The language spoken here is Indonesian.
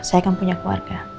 saya kan punya keluarga